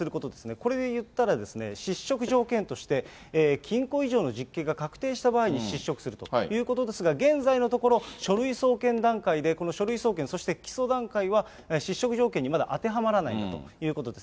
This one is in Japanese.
これをいったら、失職条件として、禁錮以上の実刑が確定した場合に、失職するということですが、現在のところ、書類送検段階で、この書類送検、そして起訴段階は、失職条件にまだ当てはまらないんだということです。